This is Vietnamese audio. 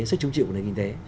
sức chứng chịu của nền kinh tế